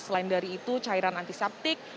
selain dari itu cairan antiseptik